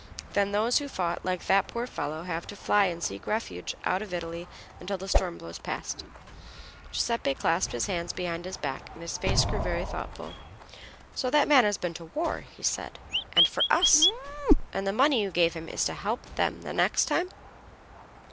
Then those who fought, like that poor fellow, have to fly and seek refuge out of Italy until the storm blows past." Giuseppe clasped his hands behind his back, and his face grew very thoughtful. "So that man has been to war," he said, "and for us, and the money you gave him is going to help them the next time?"